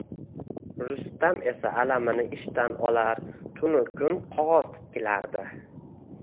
Rustam esa alamini ishdan olar, tunu kun qog`oz titkilardi